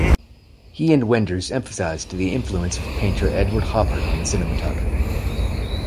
He and Wenders emphasized the influence of painter Edward Hopper on the cinematography.